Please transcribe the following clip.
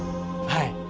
はい。